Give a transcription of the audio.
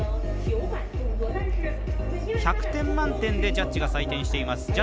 １００点満点でジャッジが採点しています。